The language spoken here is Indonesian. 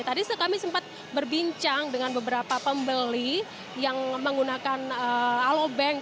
tadi kami sempat berbincang dengan beberapa pembeli yang menggunakan alobank